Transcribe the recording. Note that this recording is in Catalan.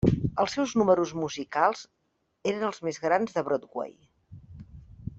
Els seus números musicals eren els més grans de Broadway.